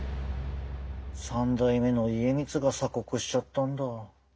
三代目の家光が鎖国しちゃったんだ。